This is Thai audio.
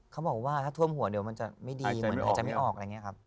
เค้าบอกว่าถ้าท่วมหัวเดี๋ยวมันจะไม่ดีมันจะไม่ออกอะไรอย่างเงี้ยครับ